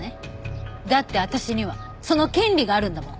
だって私にはその権利があるんだもん。